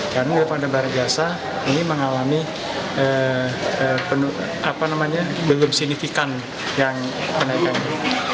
karena pengadaan barang dan jasa ini mengalami belum signifikan yang pernah kami